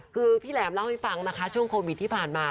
คือพี่แหลมเล่าให้ฟังนะคะช่วงโควิดที่ผ่านมา